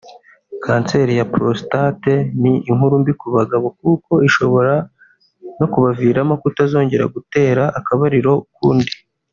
Kanseri ya prostate ni inkuru mbi ku bagabo kuko bishobora no kubaviramo kutazongera gutera akabariro ukundi